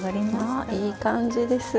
あいい感じです。